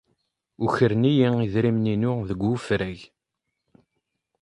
Ukren-iyi idrimen-inu deg wefrag.